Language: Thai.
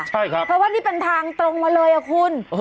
ใช่ครับเพราะว่านี่เป็นทางตรงมาเลยอะคุณ